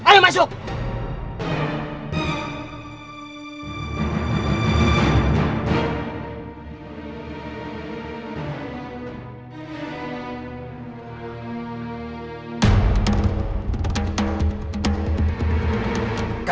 bapak perintahkan kamu keluar